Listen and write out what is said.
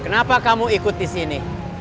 kenapa kamu ikut disini